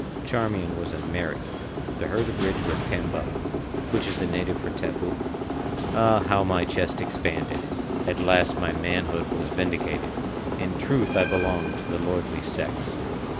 Charmian was a Mary. To her the bridge was tambo, which is the native for taboo. Ah, how my chest expanded! At last my manhood was vindicated. In truth I belonged to the lordly sex.